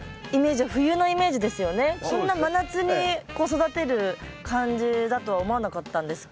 こんな真夏に育てる感じだとは思わなかったんですけど。